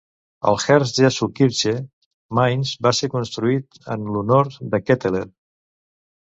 El Herz-Jesu-Kirche, Mainz va ser construït en l'honor de Ketteler.